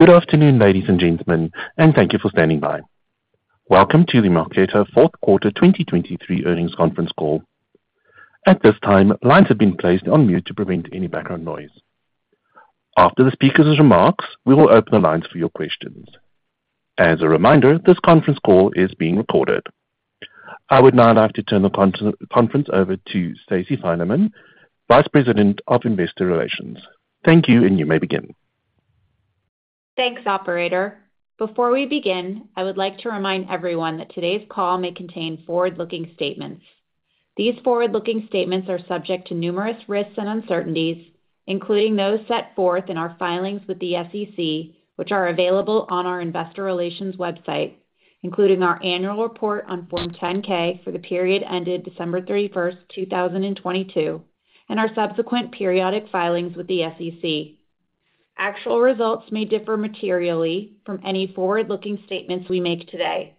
Good afternoon, ladies and gentlemen, and thank you for standing by. Welcome to the Marqeta 4th Quarter 2023 Earnings Conference call. At this time, lines have been placed on mute to prevent any background noise. After the speaker's remarks, we will open the lines for your questions. As a reminder, this conference call is being recorded. I would now like to turn the conference over to Stacey Finerman, Vice President of Investor Relations. Thank you, and you may begin. Thanks, Operator. Before we begin, I would like to remind everyone that today's call may contain forward-looking statements. These forward-looking statements are subject to numerous risks and uncertainties, including those set forth in our filings with the SEC, which are available on our Investor Relations website, including our annual report on Form 10-K for the period ended December 31, 2022, and our subsequent periodic filings with the SEC. Actual results may differ materially from any forward-looking statements we make today.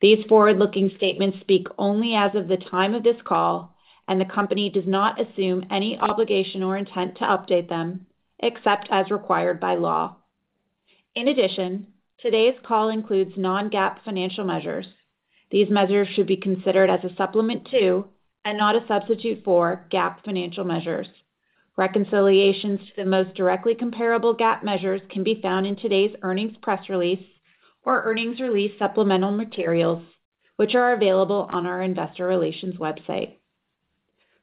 These forward-looking statements speak only as of the time of this call, and the company does not assume any obligation or intent to update them, except as required by law. In addition, today's call includes non-GAAP financial measures. These measures should be considered as a supplement to and not a substitute for GAAP financial measures. Reconciliations to the most directly comparable GAAP measures can be found in today's earnings press release or earnings release supplemental materials, which are available on our Investor Relations website.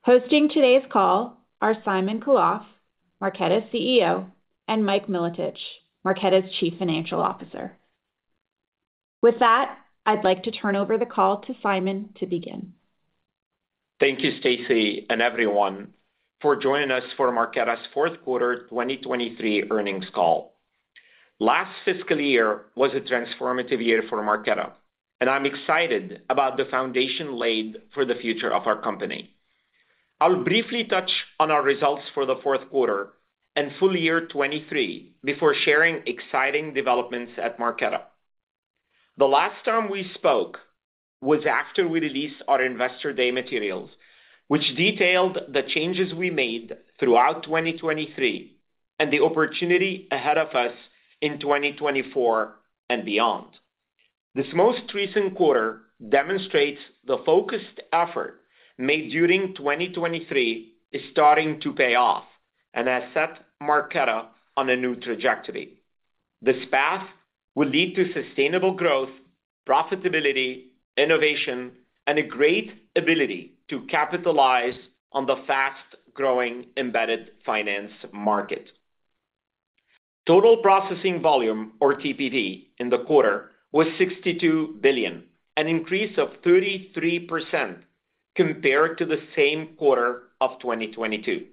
Hosting today's call are Simon Khalaf, Marqeta's CEO, and Mike Milotich, Marqeta's Chief Financial Officer. With that, I'd like to turn over the call to Simon to begin. Thank you, Stacey, and everyone, for joining us for Marqeta's 4th Quarter 2023 Earnings call. Last fiscal year was a transformative year for Marqeta, and I'm excited about the foundation laid for the future of our company. I'll briefly touch on our results for the 4th Quarter and full year 2023 before sharing exciting developments at Marqeta. The last time we spoke was after we released our Investor Day materials, which detailed the changes we made throughout 2023 and the opportunity ahead of us in 2024 and beyond. This most recent quarter demonstrates the focused effort made during 2023 is starting to pay off and has set Marqeta on a new trajectory. This path will lead to sustainable growth, profitability, innovation, and a great ability to capitalize on the fast-growing embedded finance market. Total processing volume, or TPV, in the quarter was $62 billion, an increase of 33% compared to the same quarter of 2022.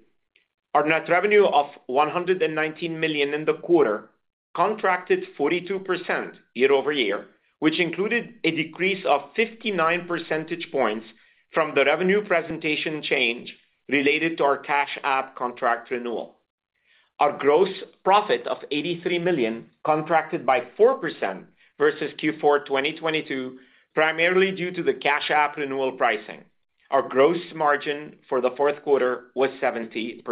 Our net revenue of $119 million in the quarter contracted 42% year-over-year, which included a decrease of 59 percentage points from the revenue presentation change related to our Cash App contract renewal. Our gross profit of $83 million contracted by 4% versus Q4 2022, primarily due to the Cash App renewal pricing. Our gross margin for the 4th Quarter was 70%.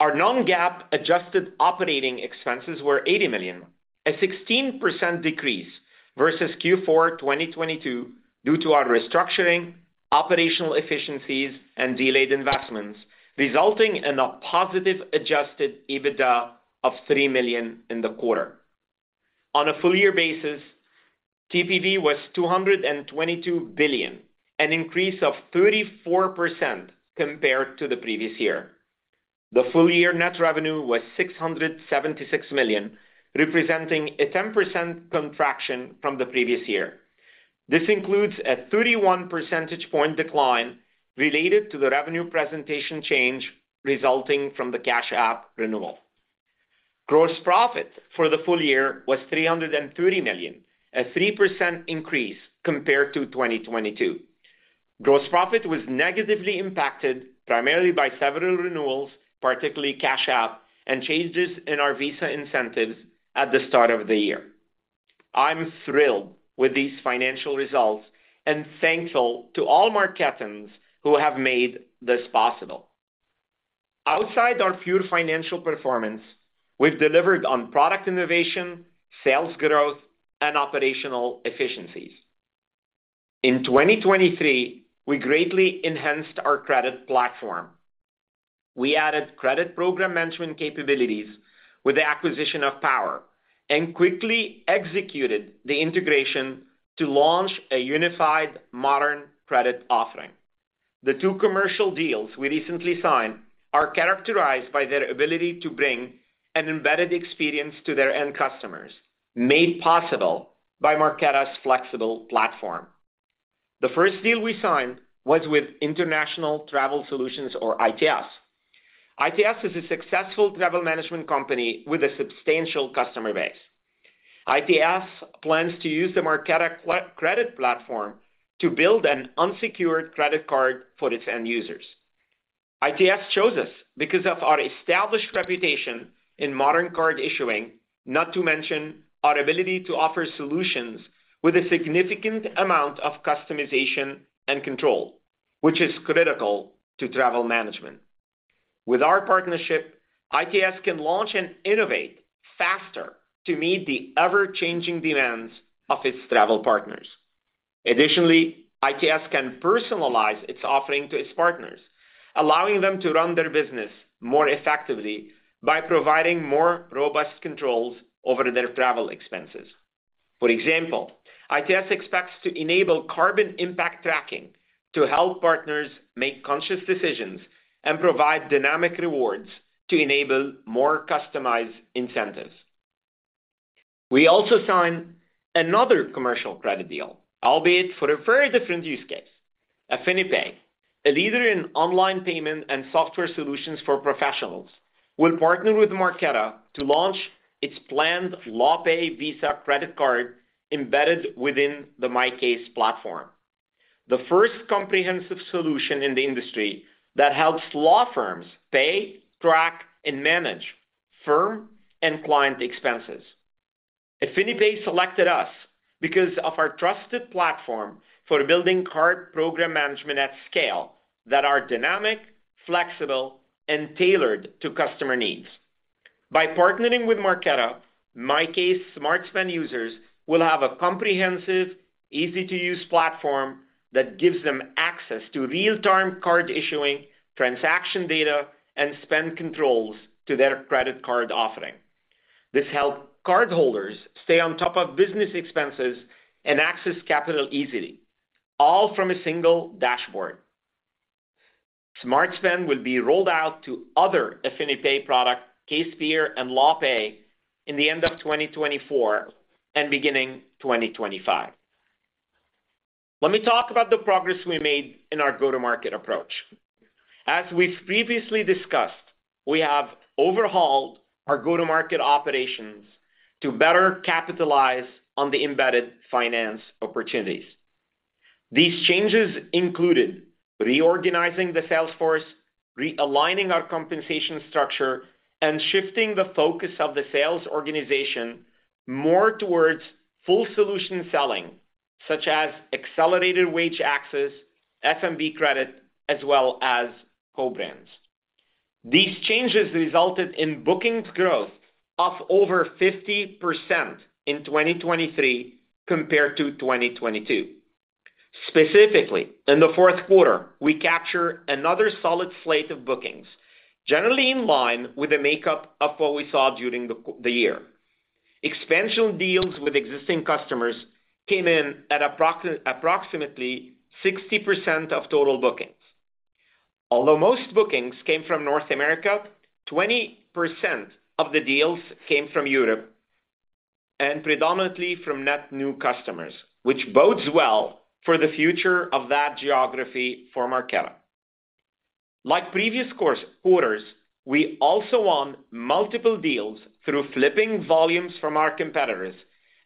Our Non-GAAP adjusted operating expenses were $80 million, a 16% decrease versus Q4 2022 due to our restructuring, operational efficiencies, and delayed investments, resulting in a positive Adjusted EBITDA of $3 million in the quarter. On a full-year basis, TPV was $222 billion, an increase of 34% compared to the previous year. The full-year net revenue was $676 million, representing a 10% contraction from the previous year. This includes a 31 percentage point decline related to the revenue presentation change resulting from the Cash App renewal. Gross profit for the full year was $330 million, a 3% increase compared to 2022. Gross profit was negatively impacted primarily by several renewals, particularly Cash App, and changes in our Visa incentives at the start of the year. I'm thrilled with these financial results and thankful to all Marqetans who have made this possible. Outside our pure financial performance, we've delivered on product innovation, sales growth, and operational efficiencies. In 2023, we greatly enhanced our credit platform. We added credit program management capabilities with the acquisition of Power and quickly executed the integration to launch a unified, modern credit offering. The two commercial deals we recently signed are characterized by their ability to bring an embedded experience to their end customers, made possible by Marqeta's flexible platform. The first deal we signed was with Internet Travel Solutions, or ITS. ITS is a successful travel management company with a substantial customer base. ITS plans to use the Marqeta credit platform to build an unsecured credit card for its end users. ITS chose us because of our established reputation in modern card issuing, not to mention our ability to offer solutions with a significant amount of customization and control, which is critical to travel management. With our partnership, ITS can launch and innovate faster to meet the ever-changing demands of its travel partners. Additionally, ITS can personalize its offering to its partners, allowing them to run their business more effectively by providing more robust controls over their travel expenses. For example, ITS expects to enable carbon impact tracking to help partners make conscious decisions and provide dynamic rewards to enable more customized incentives. We also signed another commercial credit deal, albeit for a very different use case. AffiniPay, a leader in online payment and software solutions for professionals, will partner with Marqeta to launch its planned LawPay Visa credit card embedded within the MyCase platform, the first comprehensive solution in the industry that helps law firms pay, track, and manage firm and client expenses. AffiniPay selected us because of our trusted platform for building card program management at scale that are dynamic, flexible, and tailored to customer needs. By partnering with Marqeta, MyCase Smart Spend users will have a comprehensive, easy-to-use platform that gives them access to real-time card issuing, transaction data, and spend controls to their credit card offering. This helps cardholders stay on top of business expenses and access capital easily, all from a single dashboard. SmartSpend will be rolled out to other AffiniPay products, CASEpeer, and LawPay in the end of 2024 and beginning 2025. Let me talk about the progress we made in our go-to-market approach. As we've previously discussed, we have overhauled our go-to-market operations to better capitalize on the embedded finance opportunities. These changes included reorganizing the sales force, re-aligning our compensation structure, and shifting the focus of the sales organization more towards full-solution selling, such as accelerated wage access, SMB credit, as well as co-brands. These changes resulted in bookings growth of over 50% in 2023 compared to 2022. Specifically, in the 4th Quarter, we captured another solid slate of bookings, generally in line with the makeup of what we saw during the year. Expansion deals with existing customers came in at approximately 60% of total bookings. Although most bookings came from North America, 20% of the deals came from Europe, and predominantly from net new customers, which bodes well for the future of that geography for Marqeta. Like previous quarters, we also won multiple deals through flipping volumes from our competitors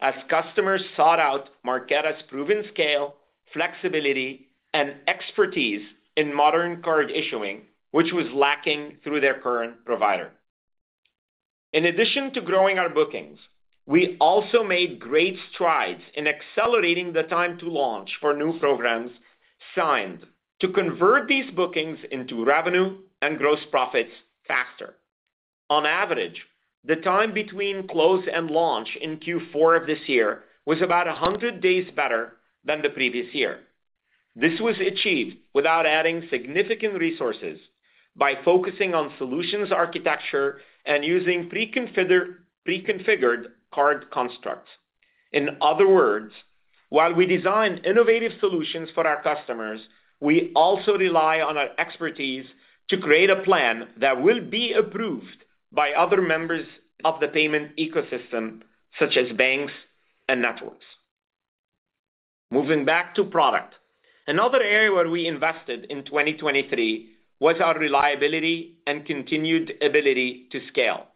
as customers sought out Marqeta's proven scale, flexibility, and expertise in Modern Card Issuing, which was lacking through their current provider. In addition to growing our bookings, we also made great strides in accelerating the time to launch for new programs signed to convert these bookings into revenue and gross profits faster. On average, the time between close and launch in Q4 of this year was about 100 days better than the previous year. This was achieved without adding significant resources by focusing on solutions architecture and using preconfigured card constructs. In other words, while we design innovative solutions for our customers, we also rely on our expertise to create a plan that will be approved by other members of the payment ecosystem, such as banks and networks. Moving back to product, another area where we invested in 2023 was our reliability and continued ability to scale.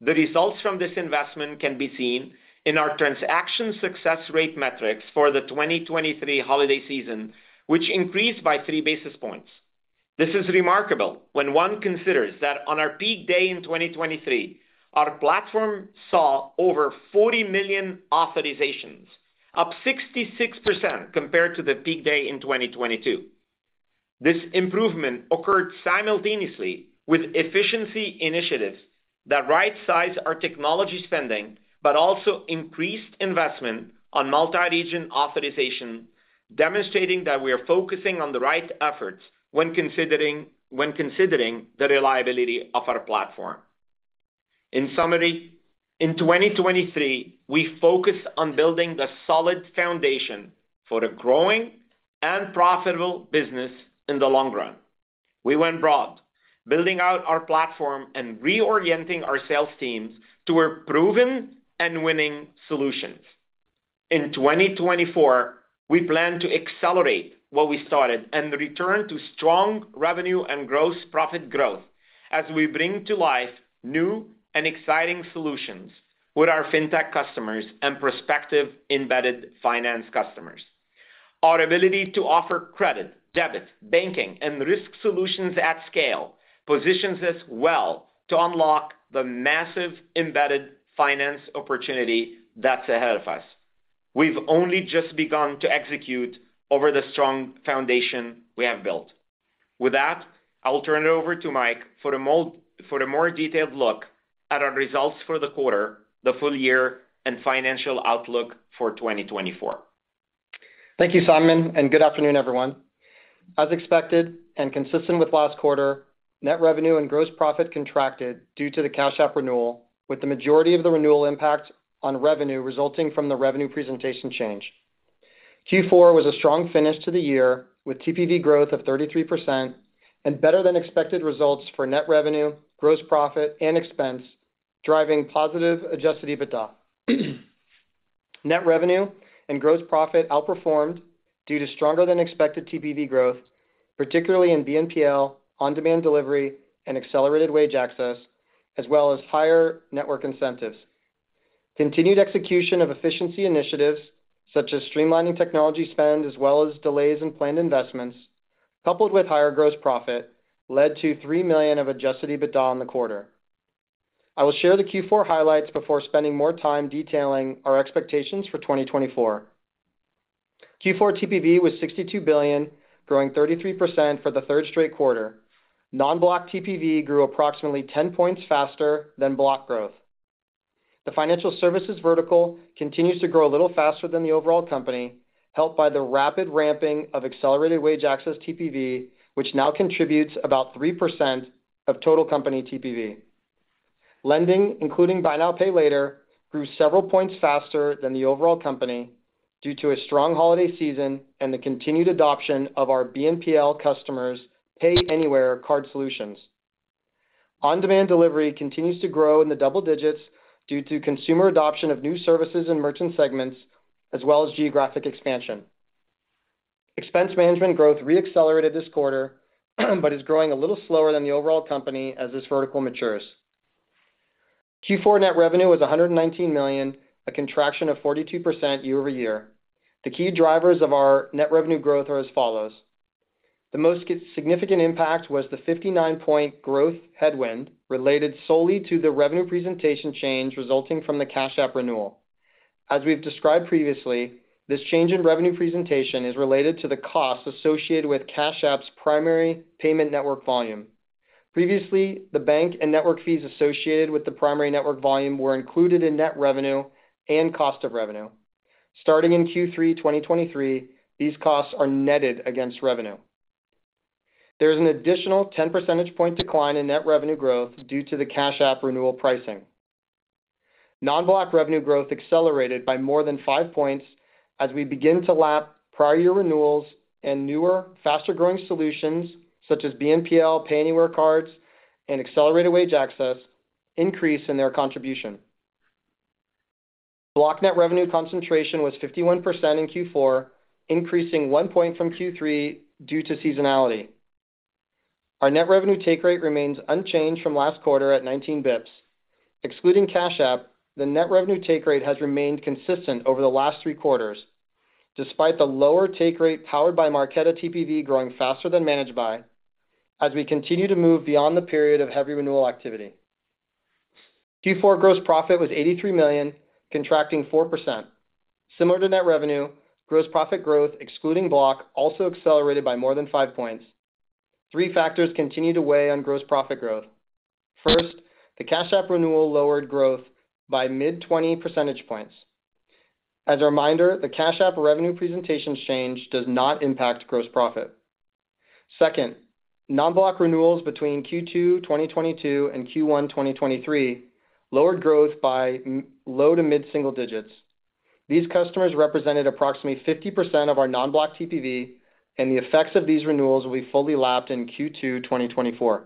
The results from this investment can be seen in our transaction success rate metrics for the 2023 holiday season, which increased by 3 basis points. This is remarkable when one considers that on our peak day in 2023, our platform saw over 40 million authorizations, up 66% compared to the peak day in 2022. This improvement occurred simultaneously with efficiency initiatives that right-sized our technology spending but also increased investment on multi-region authorization, demonstrating that we are focusing on the right efforts when considering the reliability of our platform. In summary, in 2023, we focused on building the solid foundation for a growing and profitable business in the long run. We went broad, building out our platform and reorienting our sales teams toward proven and winning solutions. In 2024, we plan to accelerate what we started and return to strong revenue and gross profit growth as we bring to life new and exciting solutions with our fintech customers and prospective embedded finance customers. Our ability to offer credit, debit, banking, and risk solutions at scale positions us well to unlock the massive embedded finance opportunity that's ahead of us. We've only just begun to execute over the strong foundation we have built. With that, I'll turn it over to Mike for a more detailed look at our results for the quarter, the full year, and financial outlook for 2024. Thank you, Simon, and good afternoon, everyone. As expected and consistent with last quarter, net revenue and gross profit contracted due to the Cash App renewal, with the majority of the renewal impact on revenue resulting from the revenue presentation change. Q4 was a strong finish to the year with TPV growth of 33% and better-than-expected results for net revenue, gross profit, and expense, driving positive adjusted EBITDA. Net revenue and gross profit outperformed due to stronger-than-expected TPV growth, particularly in BNPL, on-demand delivery, and accelerated wage access, as well as higher network incentives. Continued execution of efficiency initiatives, such as streamlining technology spend as well as delays in planned investments, coupled with higher gross profit, led to $3 million of adjusted EBITDA in the quarter. I will share the Q4 highlights before spending more time detailing our expectations for 2024. Q4 TPV was $62 billion, growing 33% for the third straight quarter. Non-Block TPV grew approximately 10 points faster than Block growth. The financial services vertical continues to grow a little faster than the overall company, helped by the rapid ramping of Accelerated Wage Access TPV, which now contributes about 3% of total company TPV. Lending, including Buy Now Pay Later, grew several points faster than the overall company due to a strong holiday season and the continued adoption of our BNPL customers' Pay Anywhere Card solutions. On-demand delivery continues to grow in the double digits due to consumer adoption of new services and merchant segments, as well as geographic expansion. Expense management growth reaccelerated this quarter but is growing a little slower than the overall company as this vertical matures. Q4 net revenue was $119 million, a contraction of 42% year-over-year. The key drivers of our net revenue growth are as follows. The most significant impact was the 59-point growth headwind related solely to the revenue presentation change resulting from the Cash App renewal. As we've described previously, this change in revenue presentation is related to the costs associated with Cash App's primary payment network volume. Previously, the bank and network fees associated with the primary network volume were included in net revenue and cost of revenue. Starting in Q3 2023, these costs are netted against revenue. There is an additional 10 percentage point decline in net revenue growth due to the Cash App renewal pricing. Non-Block revenue growth accelerated by more than 5 points as we begin to lap prior-year renewals and newer, faster-growing solutions such as BNPL Pay Anywhere Cards and Accelerated Wage Access increase in their contribution. Block net revenue concentration was 51% in Q4, increasing one point from Q3 due to seasonality. Our net revenue take rate remains unchanged from last quarter at 19 basis points. Excluding Cash App, the net revenue take rate has remained consistent over the last three quarters, despite the lower take rate powered by Marqeta TPV growing faster than managed by as we continue to move beyond the period of heavy renewal activity. Q4 gross profit was $83 million, contracting 4%. Similar to net revenue, gross profit growth, excluding Block, also accelerated by more than five points. Three factors continue to weigh on gross profit growth. First, the Cash App renewal lowered growth by mid-20 percentage points. As a reminder, the Cash App revenue presentation change does not impact gross profit. Second, non-Block renewals between Q2 2022 and Q1 2023 lowered growth by low to mid-single digits. These customers represented approximately 50% of our non-block TPV, and the effects of these renewals will be fully lapped in Q2 2024.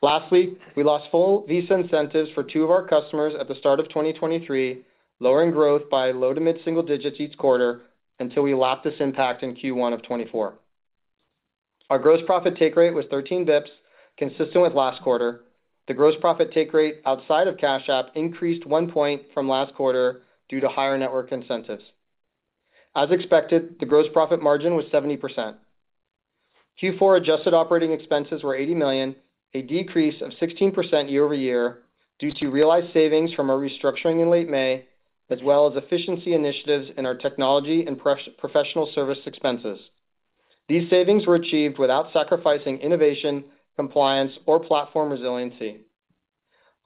Lastly, we lost full Visa incentives for two of our customers at the start of 2023, lowering growth by low- to mid-single digits each quarter until we lapped this impact in Q1 of 2024. Our gross profit take rate was 13 bps, consistent with last quarter. The gross profit take rate outside of Cash App increased 1 point from last quarter due to higher network incentives. As expected, the gross profit margin was 70%. Q4 adjusted operating expenses were $80 million, a decrease of 16% year-over-year due to realized savings from our restructuring in late May, as well as efficiency initiatives in our technology and professional service expenses. These savings were achieved without sacrificing innovation, compliance, or platform resiliency.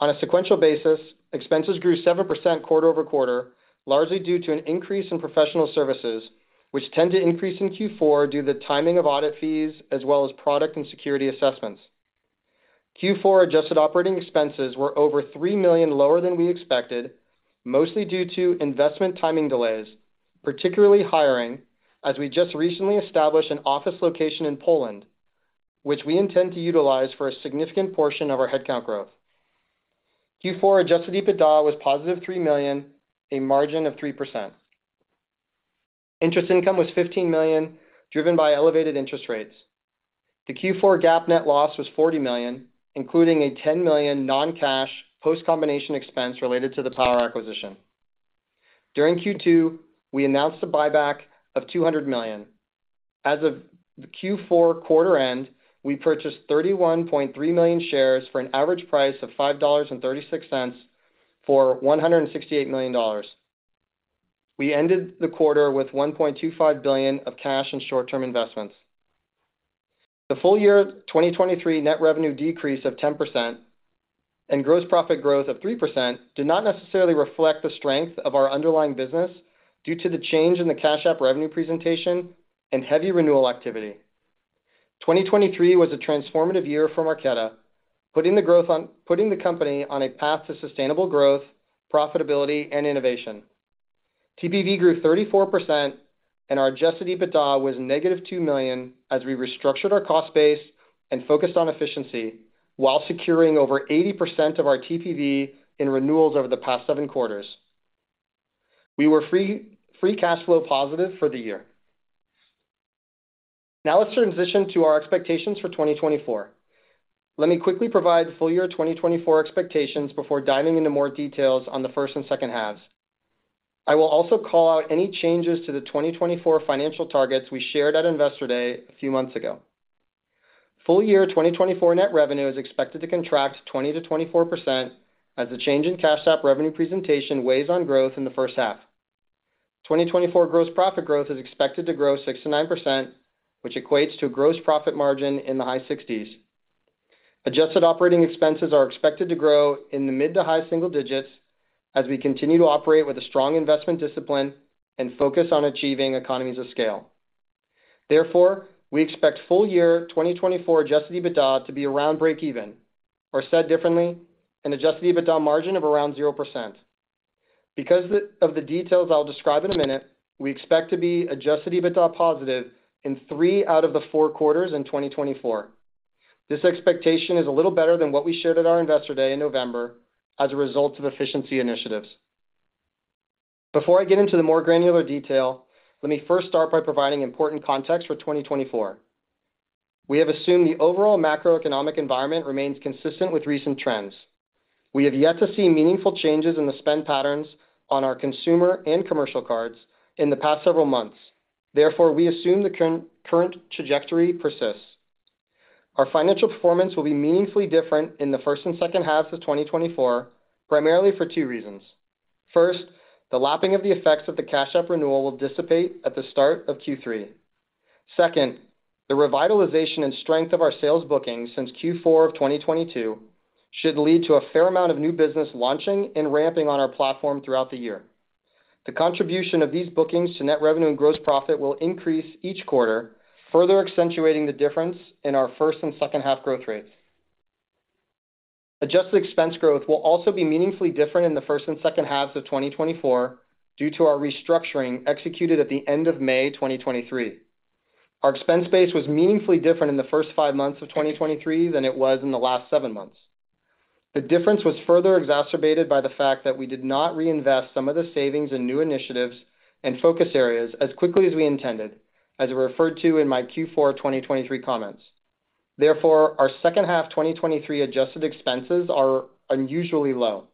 On a sequential basis, expenses grew 7% quarter over quarter, largely due to an increase in professional services, which tend to increase in Q4 due to the timing of audit fees as well as product and security assessments. Q4 adjusted operating expenses were over $3 million lower than we expected, mostly due to investment timing delays, particularly hiring, as we just recently established an office location in Poland, which we intend to utilize for a significant portion of our headcount growth. Q4 adjusted EBITDA was positive $3 million, a margin of 3%. Interest income was $15 million, driven by elevated interest rates. The Q4 GAAP net loss was $40 million, including a $10 million non-cash post-combination expense related to the Power acquisition. During Q2, we announced a buyback of $200 million. As of Q4 quarter end, we purchased 31.3 million shares for an average price of $5.36 for $168 million. We ended the quarter with $1.25 billion of cash and short-term investments. The full year 2023 net revenue decrease of 10% and gross profit growth of 3% did not necessarily reflect the strength of our underlying business due to the change in the Cash App revenue presentation and heavy renewal activity. 2023 was a transformative year for Marqeta, putting the company on a path to sustainable growth, profitability, and innovation. TPV grew 34%, and our Adjusted EBITDA was negative $2 million as we restructured our cost base and focused on efficiency while securing over 80% of our TPV in renewals over the past seven quarters. We were free cash flow positive for the year. Now let's transition to our expectations for 2024. Let me quickly provide full year 2024 expectations before diving into more details on the first and second halves. I will also call out any changes to the 2024 financial targets we shared at Investor Day a few months ago. Full year 2024 net revenue is expected to contract 20%-24% as the change in Cash App revenue presentation weighs on growth in the first half. 2024 gross profit growth is expected to grow 6%-9%, which equates to a gross profit margin in the high 60s%. Adjusted operating expenses are expected to grow in the mid to high single digits as we continue to operate with a strong investment discipline and focus on achieving economies of scale. Therefore, we expect full year 2024 Adjusted EBITDA to be around break-even, or said differently, an Adjusted EBITDA margin of around 0%. Because of the details I'll describe in a minute, we expect to be Adjusted EBITDA positive in three out of the four quarters in 2024. This expectation is a little better than what we shared at our Investor Day in November as a result of efficiency initiatives. Before I get into the more granular detail, let me first start by providing important context for 2024. We have assumed the overall macroeconomic environment remains consistent with recent trends. We have yet to see meaningful changes in the spend patterns on our consumer and commercial cards in the past several months. Therefore, we assume the current trajectory persists. Our financial performance will be meaningfully different in the first and second halves of 2024, primarily for two reasons. First, the lapping of the effects of the Cash App renewal will dissipate at the start of Q3. Second, the revitalization and strength of our sales bookings since Q4 of 2022 should lead to a fair amount of new business launching and ramping on our platform throughout the year. The contribution of these bookings to net revenue and gross profit will increase each quarter, further accentuating the difference in our first and second half growth rates. Adjusted expense growth will also be meaningfully different in the first and second halves of 2024 due to our restructuring executed at the end of May 2023. Our expense base was meaningfully different in the first five months of 2023 than it was in the last seven months. The difference was further exacerbated by the fact that we did not reinvest some of the savings in new initiatives and focus areas as quickly as we intended, as I referred to in my Q4 2023 comments. Therefore, our second half 2023 adjusted expenses are unusually low.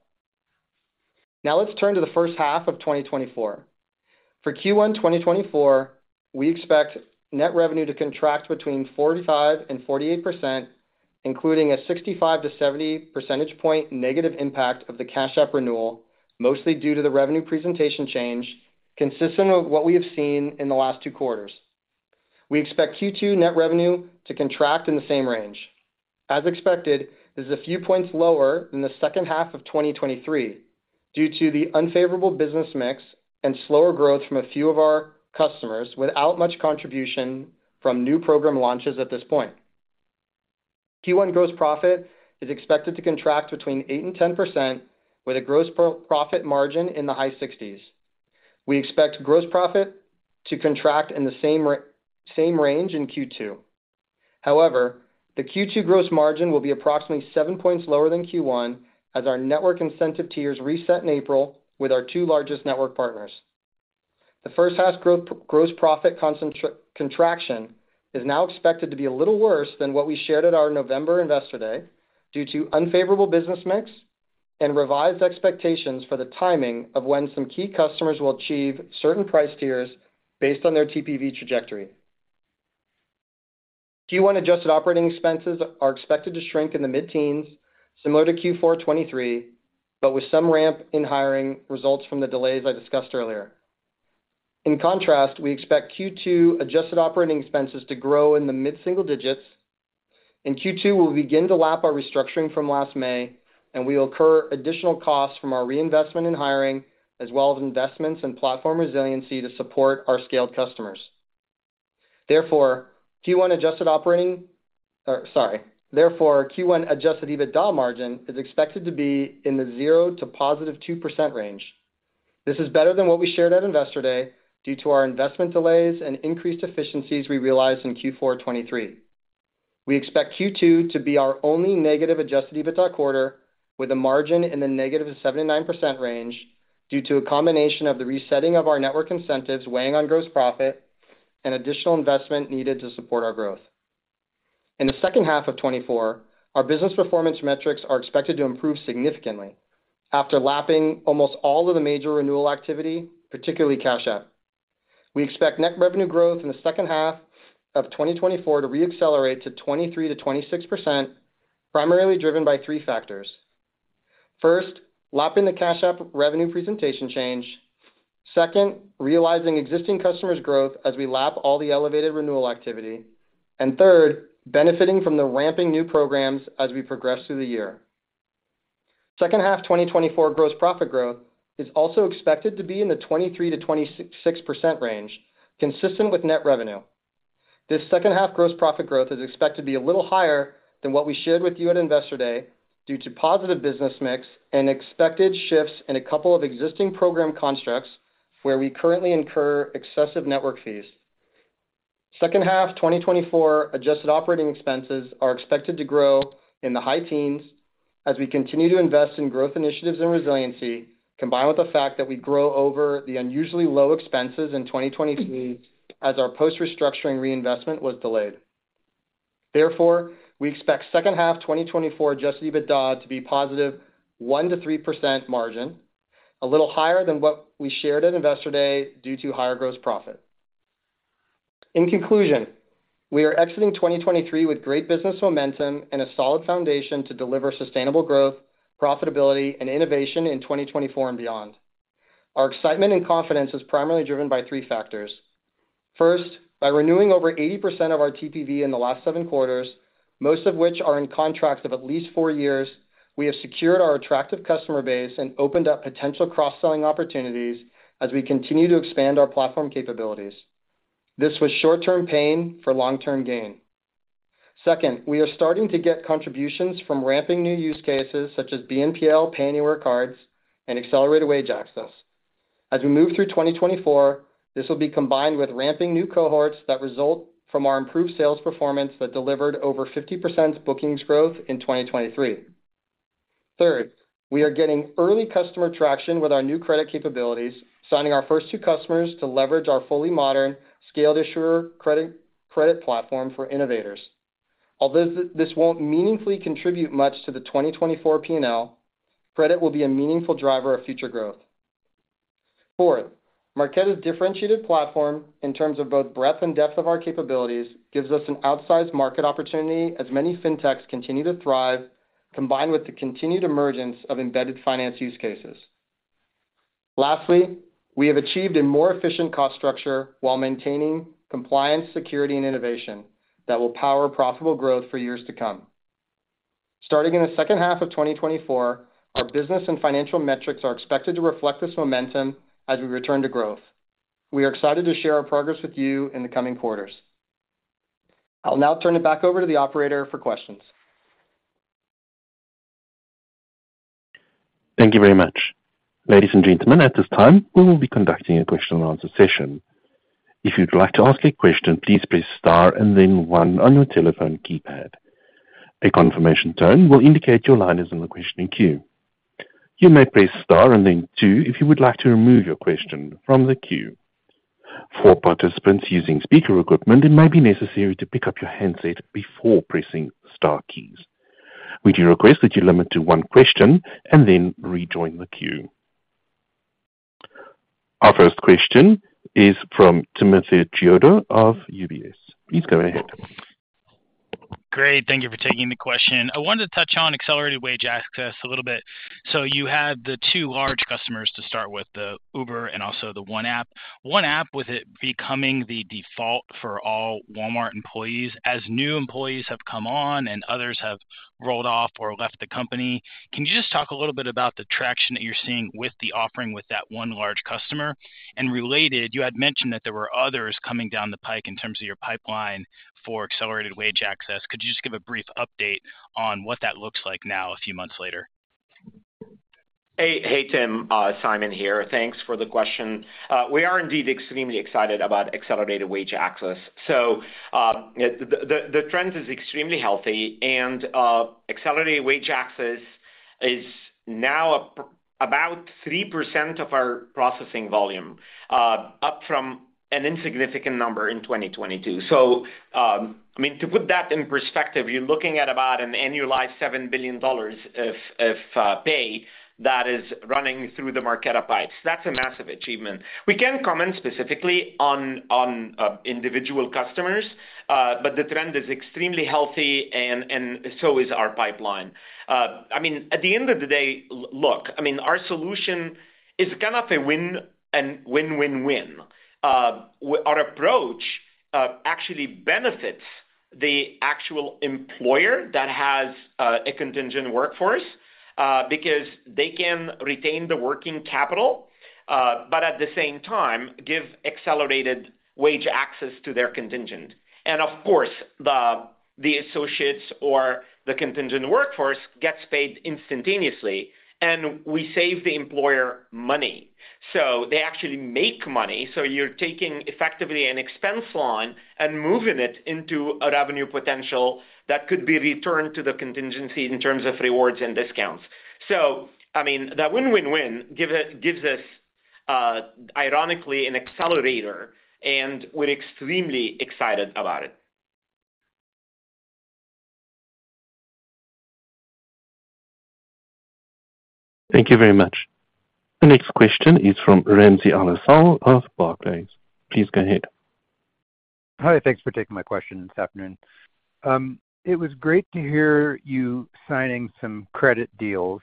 Now let's turn to the first half of 2024. For Q1 2024, we expect net revenue to contract between 45% and 48%, including a 65-70 percentage point negative impact of the Cash App renewal, mostly due to the revenue presentation change, consistent with what we have seen in the last two quarters. We expect Q2 net revenue to contract in the same range. As expected, this is a few points lower than the second half of 2023 due to the unfavorable business mix and slower growth from a few of our customers without much contribution from new program launches at this point. Q1 gross profit is expected to contract between 8% and 10%, with a gross profit margin in the high 60s%. We expect gross profit to contract in the same range in Q2. However, the Q2 gross margin will be approximately 7 points lower than Q1 as our network incentive tiers reset in April with our two largest network partners. The first half gross profit contraction is now expected to be a little worse than what we shared at our November Investor Day due to unfavorable business mix and revised expectations for the timing of when some key customers will achieve certain price tiers based on their TPV trajectory. Q1 adjusted operating expenses are expected to shrink in the mid-teens, similar to Q4 2023, but with some ramp in hiring results from the delays I discussed earlier. In contrast, we expect Q2 adjusted operating expenses to grow in the mid-single digits. In Q2, we will begin to lap our restructuring from last May, and we will incur additional costs from our reinvestment in hiring, as well as investments in platform resiliency to support our scaled customers. Therefore, Q1 adjusted EBITDA margin is expected to be in the 0% to +2% range. This is better than what we shared at Investor Day due to our investment delays and increased efficiencies we realized in Q4 2023. We expect Q2 to be our only negative adjusted EBITDA quarter, with a margin in the -79% range due to a combination of the resetting of our network incentives weighing on gross profit and additional investment needed to support our growth. In the second half of 2024, our business performance metrics are expected to improve significantly after lapping almost all of the major renewal activity, particularly Cash App. We expect net revenue growth in the second half of 2024 to reaccelerate to 23%-26%, primarily driven by three factors. First, lapping the Cash App revenue presentation change. Second, realizing existing customers' growth as we lap all the elevated renewal activity. And third, benefiting from the ramping new programs as we progress through the year. Second half 2024 gross profit growth is also expected to be in the 23%-26% range, consistent with net revenue. This second half gross profit growth is expected to be a little higher than what we shared with you at Investor Day due to positive business mix and expected shifts in a couple of existing program constructs where we currently incur excessive network fees. Second half 2024 adjusted operating expenses are expected to grow in the high teens as we continue to invest in growth initiatives and resiliency, combined with the fact that we grow over the unusually low expenses in 2023 as our post-restructuring reinvestment was delayed. Therefore, we expect second half 2024 adjusted EBITDA to be positive 1%-3% margin, a little higher than what we shared at Investor Day due to higher gross profit. In conclusion, we are exiting 2023 with great business momentum and a solid foundation to deliver sustainable growth, profitability, and innovation in 2024 and beyond. Our excitement and confidence is primarily driven by three factors. First, by renewing over 80% of our TPV in the last 7 quarters, most of which are in contracts of at least 4 years, we have secured our attractive customer base and opened up potential cross-selling opportunities as we continue to expand our platform capabilities. This was short-term pain for long-term gain. Second, we are starting to get contributions from ramping new use cases such as BNPL Pay Anywhere cards and Accelerated Wage Access. As we move through 2024, this will be combined with ramping new cohorts that result from our improved sales performance that delivered over 50% bookings growth in 2023. Third, we are getting early customer traction with our new credit capabilities, signing our first 2 customers to leverage our fully modern scaled issuer credit platform for innovators. Although this won't meaningfully contribute much to the 2024 P&L, credit will be a meaningful driver of future growth. Fourth, Marqeta's differentiated platform in terms of both breadth and depth of our capabilities gives us an outsized market opportunity as many fintechs continue to thrive, combined with the continued emergence of embedded finance use cases. Lastly, we have achieved a more efficient cost structure while maintaining compliance, security, and innovation that will power profitable growth for years to come. Starting in the second half of 2024, our business and financial metrics are expected to reflect this momentum as we return to growth. We are excited to share our progress with you in the coming quarters. I'll now turn it back over to the operator for questions. Thank you very much. Ladies and gentlemen, at this time, we will be conducting a question-and-answer session. If you'd like to ask a question, please press star and then one on your telephone keypad. A confirmation tone will indicate your line is in the questioning queue. You may press star and then two if you would like to remove your question from the queue. For participants using speaker equipment, it may be necessary to pick up your handset before pressing star keys. We do request that you limit to one question and then rejoin the queue. Our first question is from Timothy Chiodo of UBS. Please go ahead. Great. Thank you for taking the question. I wanted to touch on Accelerated Wage Access a little bit. So you had the two large customers to start with, the Uber and also the ONE app. ONE app with it becoming the default for all Walmart employees as new employees have come on and others have rolled off or left the company. Can you just talk a little bit about the traction that you're seeing with the offering with that one large customer? And related, you had mentioned that there were others coming down the pike in terms of your pipeline for Accelerated Wage Access. Could you just give a brief update on what that looks like now a few months later? Hey, Tim. Simon here. Thanks for the question. We are indeed extremely excited about accelerated wage access. So the trend is extremely healthy, and accelerated wage access is now about 3% of our processing volume, up from an insignificant number in 2022. So I mean, to put that in perspective, you're looking at about an annualized $7 billion pay that is running through the Marqeta pipes. That's a massive achievement. We can comment specifically on individual customers, but the trend is extremely healthy, and so is our pipeline. I mean, at the end of the day, look, I mean, our solution is kind of a win-win-win. Our approach actually benefits the actual employer that has a contingent workforce because they can retain the working capital, but at the same time, give accelerated wage access to their contingent. And of course, the associates or the contingent workforce gets paid instantaneously, and we save the employer money. So they actually make money. So you're taking effectively an expense line and moving it into a revenue potential that could be returned to the contingency in terms of rewards and discounts. So I mean, that win-win-win gives us, ironically, an accelerator, and we're extremely excited about it. Thank you very much. The next question is from Ramsey El-Assal of Barclays. Please go ahead. Hi. Thanks for taking my question this afternoon. It was great to hear you signing some credit deals.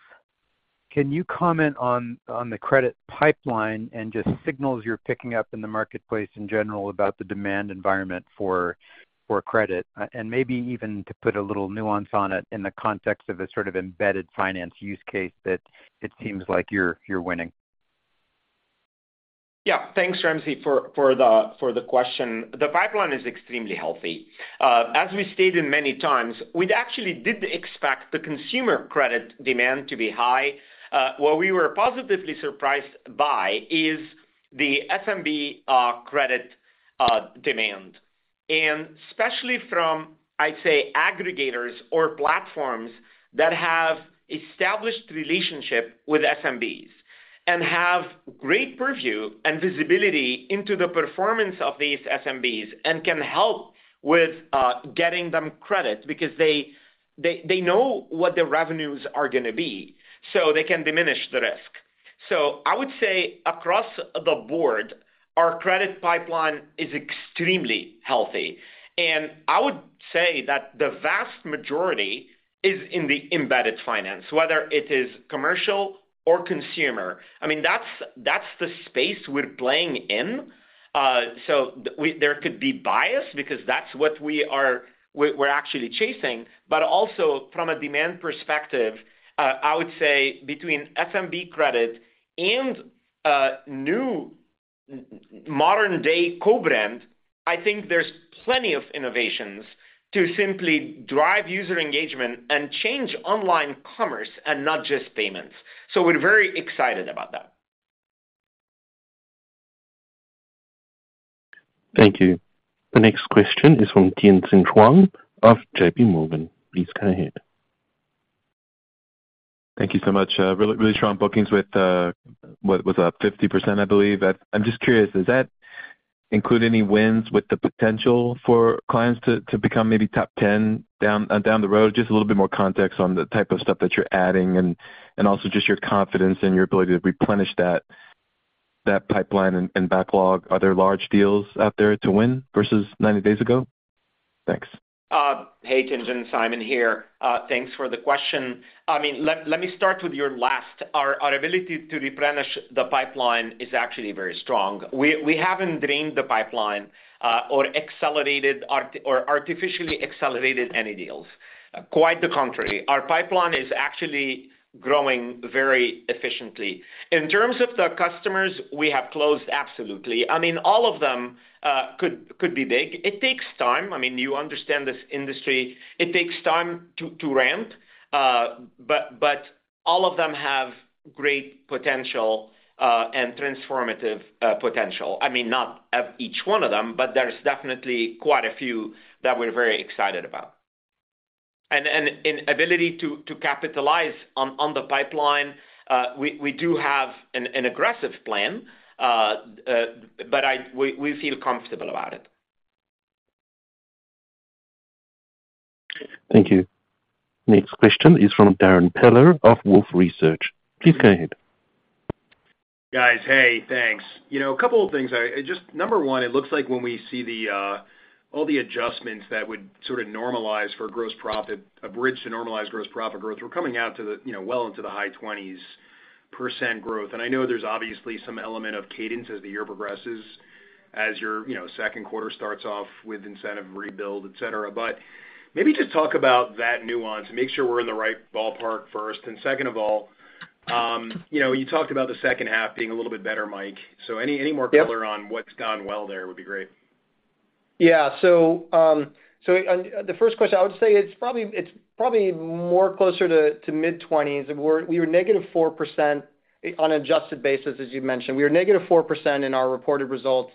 Can you comment on the credit pipeline and just signals you're picking up in the marketplace in general about the demand environment for credit? And maybe even to put a little nuance on it in the context of a sort of embedded finance use case that it seems like you're winning. Yeah. Thanks, Ramsey, for the question. The pipeline is extremely healthy. As we stated many times, we actually did expect the consumer credit demand to be high. What we were positively surprised by is the SMB credit demand, and especially from, I'd say, aggregators or platforms that have established relationships with SMBs and have great purview and visibility into the performance of these SMBs and can help with getting them credit because they know what their revenues are going to be, so they can diminish the risk. So I would say across the board, our credit pipeline is extremely healthy. And I would say that the vast majority is in the embedded finance, whether it is commercial or consumer. I mean, that's the space we're playing in. So there could be bias because that's what we're actually chasing. But also from a demand perspective, I would say between SMB credit and new modern-day co-brand, I think there's plenty of innovations to simply drive user engagement and change online commerce and not just payments. So we're very excited about that. Thank you. The next question is from Tien-Tsin Huang of JPMorgan. Please go ahead. Thank you so much. Really strong bookings with a 50%, I believe. I'm just curious, does that include any wins with the potential for clients to become maybe top 10 down the road? Just a little bit more context on the type of stuff that you're adding and also just your confidence and your ability to replenish that pipeline and backlog. Are there large deals out there to win versus 90 days ago? Thanks. Hey, Tien-Tsin Huang, Simon here. Thanks for the question. I mean, let me start with your last. Our ability to replenish the pipeline is actually very strong. We haven't drained the pipeline or artificially accelerated any deals. Quite the contrary. Our pipeline is actually growing very efficiently. In terms of the customers, we have closed absolutely. I mean, all of them could be big. It takes time. I mean, you understand this industry. It takes time to ramp. But all of them have great potential and transformative potential. I mean, not each one of them, but there's definitely quite a few that we're very excited about. And in ability to capitalize on the pipeline, we do have an aggressive plan, but we feel comfortable about it. Thank you. The next question is from Darrin Peller of Wolfe Research. Please go ahead. Guys, hey, thanks. A couple of things. Just number one, it looks like when we see all the adjustments that would sort of normalize for gross profit, a bridge to normalize gross profit growth, we're coming out well into the high 20s% growth. And I know there's obviously some element of cadence as the year progresses, as your second quarter starts off with incentive rebuild, etc. But maybe just talk about that nuance and make sure we're in the right ballpark first. And second of all, you talked about the second half being a little bit better, Mike. So any more color on what's gone well there would be great. Yeah. So the first question, I would say it's probably more closer to mid-20s. We were -4% on an adjusted basis, as you mentioned. We were -4% in our reported results.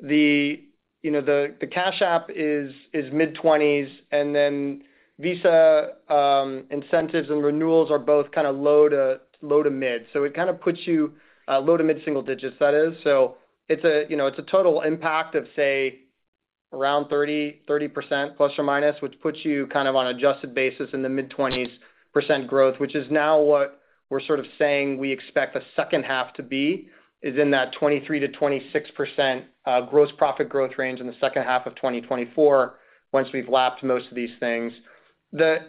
The Cash App is mid-20s, and then Visa incentives and renewals are both kind of low to mid. So it kind of puts you low to mid-single digits, that is. So it's a total impact of, say, around 30% plus or minus, which puts you kind of on adjusted basis in the mid-20s% growth, which is now what we're sort of saying we expect the second half to be, is in that 23%-26% gross profit growth range in the second half of 2024 once we've lapped most of these things. The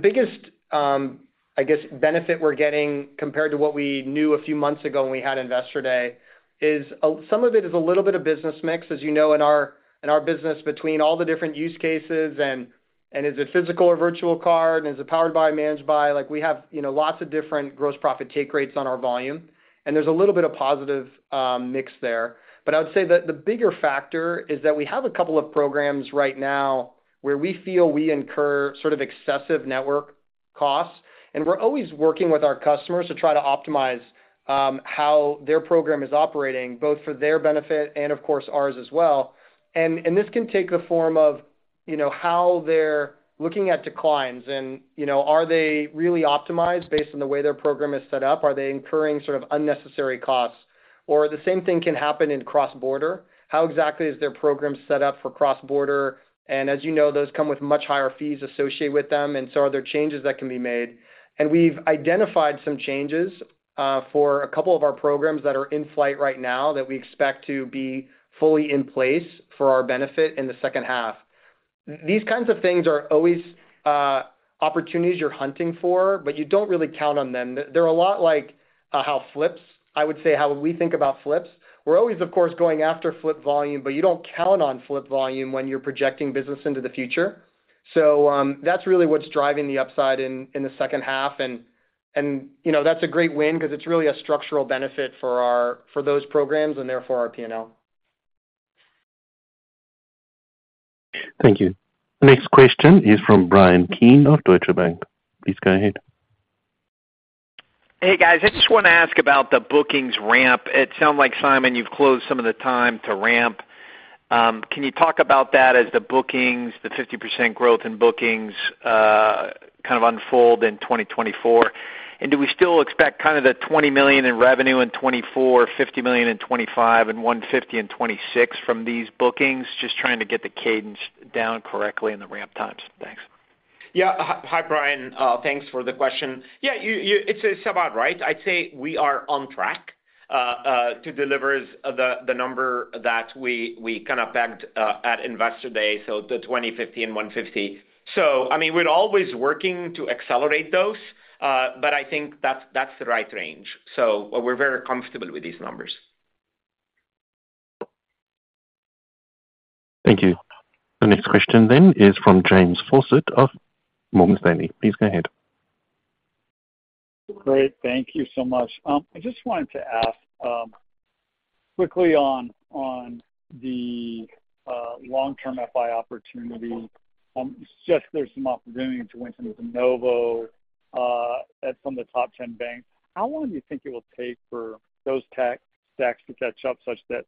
biggest, I guess, benefit we're getting compared to what we knew a few months ago when we had Investor Day is some of it is a little bit of business mix, as you know, in our business between all the different use cases. Is it physical or virtual card? Is it powered by, managed by? We have lots of different gross profit take rates on our volume. There's a little bit of positive mix there. But I would say that the bigger factor is that we have a couple of programs right now where we feel we incur sort of excessive network costs. We're always working with our customers to try to optimize how their program is operating, both for their benefit and, of course, ours as well. This can take the form of how they're looking at declines. Are they really optimized based on the way their program is set up? Are they incurring sort of unnecessary costs? Or the same thing can happen in cross-border. How exactly is their program set up for cross-border? And as you know, those come with much higher fees associated with them. And so are there changes that can be made? And we've identified some changes for a couple of our programs that are in flight right now that we expect to be fully in place for our benefit in the second half. These kinds of things are always opportunities you're hunting for, but you don't really count on them. They're a lot like how flips, I would say, how we think about flips. We're always, of course, going after flip volume, but you don't count on flip volume when you're projecting business into the future. That's really what's driving the upside in the second half. That's a great win because it's really a structural benefit for those programs and therefore our P&L. Thank you. The next question is from Bryan Keane of Deutsche Bank. Please go ahead. Hey, guys. I just want to ask about the bookings ramp. It sounds like, Simon, you've closed some of the time to ramp. Can you talk about that as the bookings, the 50% growth in bookings kind of unfold in 2024? And do we still expect kind of the $20 million in revenue in 2024, $50 million in 2025, and $150 million in 2026 from these bookings, just trying to get the cadence down correctly in the ramp times? Thanks. Yeah. Hi, Brian. Thanks for the question. Yeah, it's about right. I'd say we are on track to deliver the number that we kind of pegged at Investor Day, so the $20 million, $50 million, and $150 million. So I mean, we're always working to accelerate those, but I think that's the right range. So we're very comfortable with these numbers. Thank you. The next question then is from James Faucette of Morgan Stanley. Please go ahead. Great. Thank you so much. I just wanted to ask quickly on the long-term FI opportunity. There's some opportunity to win some de novo from the top 10 banks. How long do you think it will take for those tech stacks to catch up such that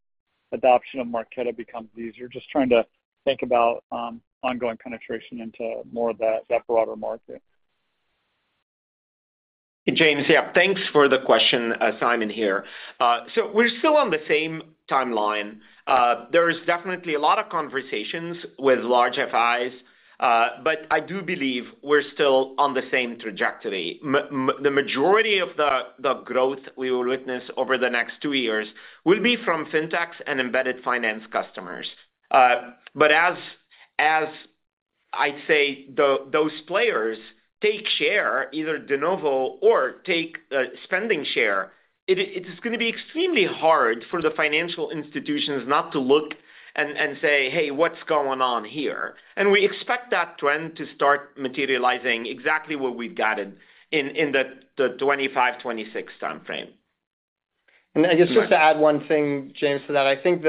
adoption of Marqeta becomes easier? Just trying to think about ongoing penetration into more of that broader market. James, yeah, thanks for the question, Simon here. So we're still on the same timeline. There is definitely a lot of conversations with large FIs, but I do believe we're still on the same trajectory. The majority of the growth we will witness over the next two years will be from fintechs and embedded finance customers. But as I'd say those players take share, either de novo or take spending share, it's going to be extremely hard for the financial institutions not to look and say, "Hey, what's going on here?" And we expect that trend to start materializing exactly where we've got it in the 2025, 2026 timeframe. And I guess just to add one thing, James, to that, I think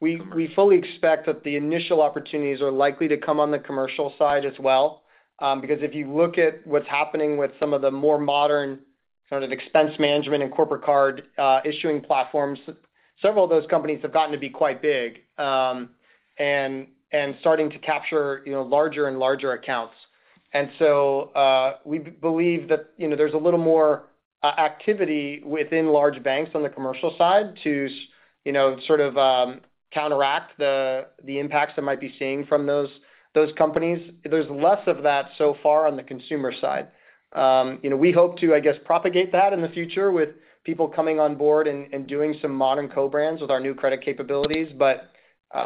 we fully expect that the initial opportunities are likely to come on the commercial side as well. Because if you look at what's happening with some of the more modern kind of expense management and corporate card issuing platforms, several of those companies have gotten to be quite big and starting to capture larger and larger accounts. And so we believe that there's a little more activity within large banks on the commercial side to sort of counteract the impacts that might be seeing from those companies. There's less of that so far on the consumer side. We hope to, I guess, propagate that in the future with people coming on board and doing some modern co-brands with our new credit capabilities.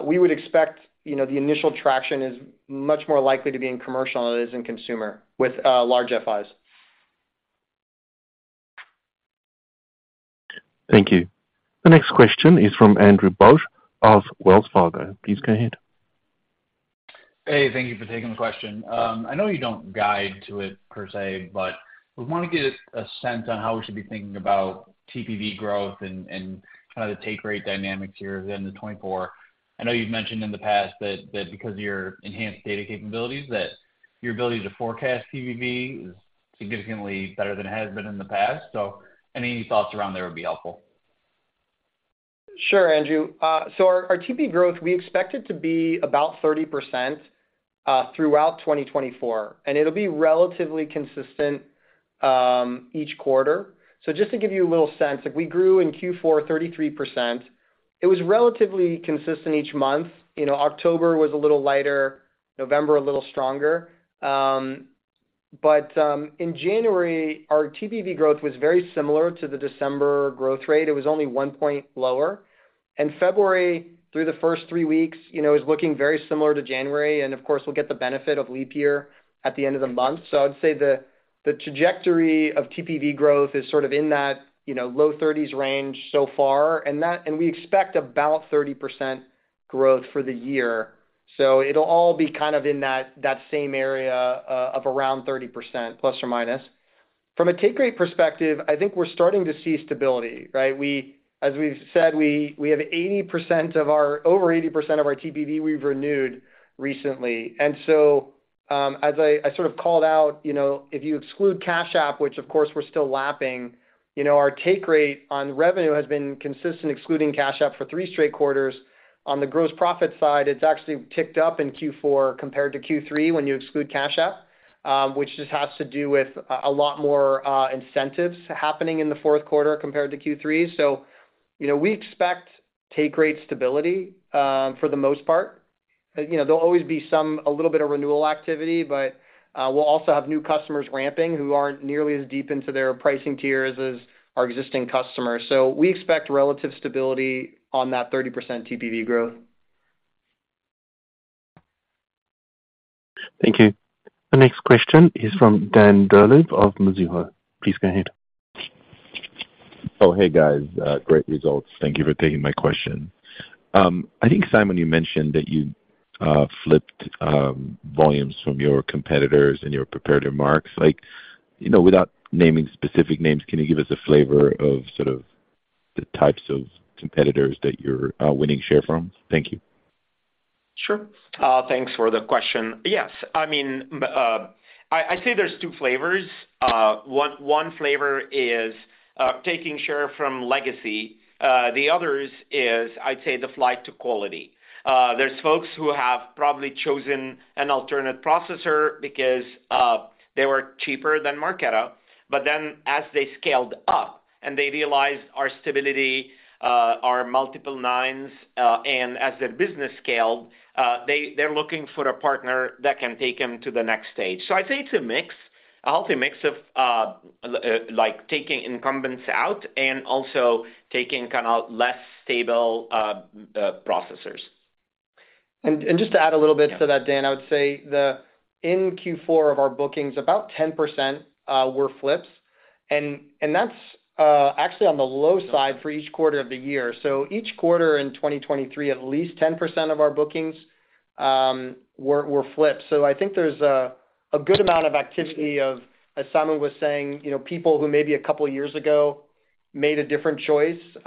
We would expect the initial traction is much more likely to be in commercial than it is in consumer with large FIs. Thank you. The next question is from Andrew Bauch of Wells Fargo. Please go ahead. Hey, thank you for taking the question. I know you don't guide to it per se, but we want to get a sense on how we should be thinking about TPV growth and kind of the take rate dynamics here in the 2024. I know you've mentioned in the past that because of your enhanced data capabilities, that your ability to forecast TPV is significantly better than it has been in the past. So any thoughts around there would be helpful. Sure, Andrew. So our TPV growth, we expect it to be about 30% throughout 2024. And it'll be relatively consistent each quarter. So just to give you a little sense, we grew in Q4 33%. It was relatively consistent each month. October was a little lighter, November a little stronger. But in January, our TPV growth was very similar to the December growth rate. It was only 1 point lower. And February, through the first three weeks, is looking very similar to January. And of course, we'll get the benefit of leap year at the end of the month. So I would say the trajectory of TPV growth is sort of in that low 30s range so far. And we expect about 30% growth for the year. So it'll all be kind of in that same area of around 30% plus or minus. From a take rate perspective, I think we're starting to see stability, right? As we've said, we have over 80% of our TPV we've renewed recently. And so as I sort of called out, if you exclude Cash App, which of course we're still lapping, our take rate on revenue has been consistent excluding Cash App for three straight quarters. On the gross profit side, it's actually ticked up in Q4 compared to Q3 when you exclude Cash App, which just has to do with a lot more incentives happening in the fourth quarter compared to Q3. So we expect take rate stability for the most part. There'll always be a little bit of renewal activity, but we'll also have new customers ramping who aren't nearly as deep into their pricing tiers as our existing customers. So we expect relative stability on that 30% TPV growth. Thank you. The next question is from Dan Dolev of Mizuho. Please go ahead. Oh, hey, guys. Great results. Thank you for taking my question. I think, Simon, you mentioned that you flipped volumes from your competitors and your prepaid card networks. Without naming specific names, can you give us a flavor of sort of the types of competitors that you're winning share from? Thank you. Sure. Thanks for the question. Yes. I mean, I say there's two flavors. One flavor is taking share from legacy. The others is, I'd say, the flight to quality. There's folks who have probably chosen an alternate processor because they were cheaper than Marqeta. But then as they scaled up and they realized our stability, our multiple nines, and as their business scaled, they're looking for a partner that can take them to the next stage. So I'd say it's a mix, a healthy mix of taking incumbents out and also taking kind of less stable processors. And just to add a little bit to that, Dan, I would say in Q4 of our bookings, about 10% were flips. And that's actually on the low side for each quarter of the year. So each quarter in 2023, at least 10% of our bookings were flips. So I think there's a good amount of activity of, as Simon was saying, people who maybe a couple of years ago made a different choice. We